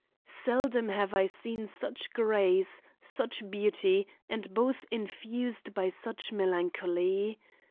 Seldom have I seen such grace, such beauty, and both infused by such melancholy.